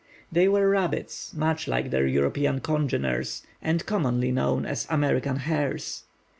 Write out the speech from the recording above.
They were rabbits, much like their European congeners, and commonly known as "American hares."